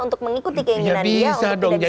untuk mengikuti keinginan dia